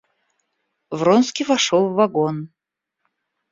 Вронский вошел в вагон.